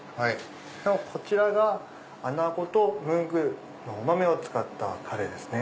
こちらが穴子とムング豆を使ったカレーですね。